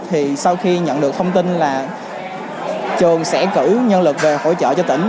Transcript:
thì sau khi nhận được thông tin là trường sẽ cử nhân lực về hỗ trợ cho tỉnh